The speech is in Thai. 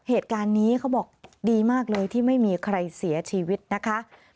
เหตุการณ์นี้เขาบอกดีมากเลยที่ไม่มีใครเสียชีวิตนะคะ